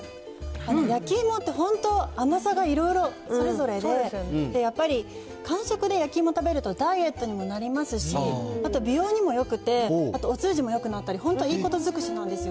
焼き芋って本当、甘さがいろいろ、それぞれで、やっぱり間食で焼き芋食べると、ダイエットにもなりますし、あと美容にもよくて、あとお通じもよくなったり、本当、いいこと尽くしなんですよ。